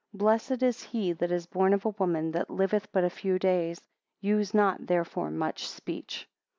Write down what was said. Blessed is he that is born of a woman, that liveth but a few days: use not therefore much speech.